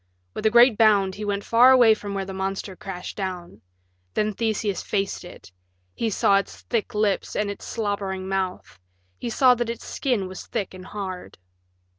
With a great bound he went far away from where the monster crashed down. Then Theseus faced it: he saw its thick lips and its slobbering mouth; he saw that its skin was thick and hard.